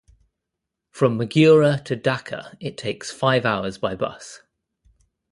From Magura to Dhaka it takes five hours by bus.